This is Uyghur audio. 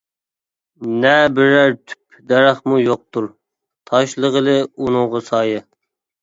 نە بىرەر تۈپ دەرەخمۇ يوقتۇر، تاشلىغىلى ئۇنىڭغا سايە.